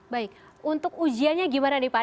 baik untuk ujiannya gimana nih pak